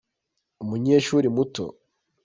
umunyeshuri muto.